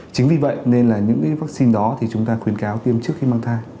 chính vì vậy nên là những cái vaccine đó thì chúng ta khuyến cáo tiêm trước khi mang thai